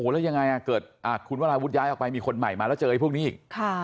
แล้วยังไงเกิดคุณวราวุฒิย้ายออกไปมีคนใหม่มาแล้วเจอไอ้พวกนี้อีก